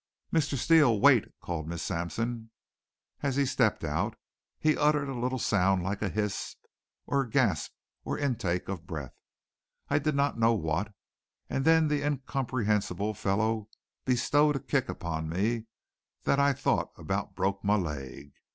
"Mr. Steele wait!" called Miss Sampson as he stepped out. He uttered a little sound like a hiss or a gasp or an intake of breath, I did not know what; and then the incomprehensible fellow bestowed a kick upon me that I thought about broke my leg.